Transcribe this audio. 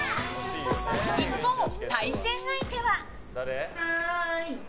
一方、対戦相手は。